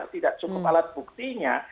tidak cukup alat buktinya